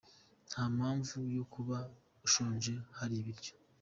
Nta mpamvu yo kuba ushonje hari ibiryo.